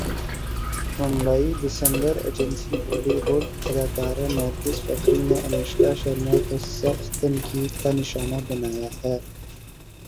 Mumbai December agency Bollywood اداکارہ نرگس فخری نے انوشکا شرما کو سخت تنقید کا نشانہ بنایا ہے